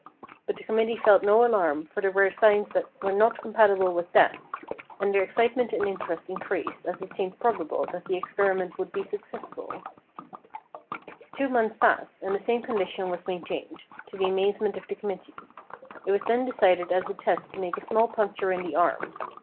But the committee felt no alarm, for there were signs that were not compatible with death, and their excitement and interest increased as it seemed probable that the experiment would be successful. Two months passed, and the same condition was main THE STRANGE STORY OF DR. MARTIN 315 tained, to the amazement of the committee. It was then de cided as a test to make a small puncture in the arm.